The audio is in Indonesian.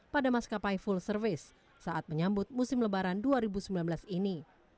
pada maskapai full service saat menyambut musim lebaran dua ribu sembilan belas ini